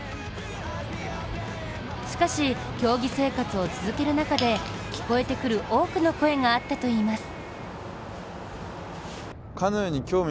しかし、競技生活を続ける中で聞こえてくる多くの声があったといいます。